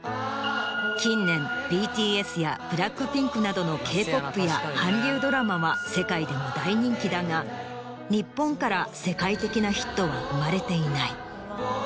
近年ＢＴＳやＢＬＡＣＫＰＩＮＫなどのＫ−ＰＯＰや韓流ドラマは世界でも大人気だが日本から世界的なヒットは生まれていない。